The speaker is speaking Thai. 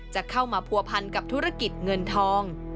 จะเข้ามาผัวพันกับธุรกิจเงินทอง